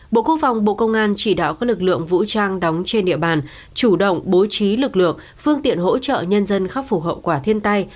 bộ quốc phòng bộ công an chỉ đạo các lực lượng vũ trang đóng trên địa bàn chủ động bố trí lực lượng phương tiện hỗ trợ nhân dân khắc phục hậu quả thiên tai